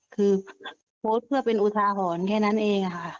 คือโพสต์เพื่อเป็นอุทาหรณ์แค่นั้นเองค่ะ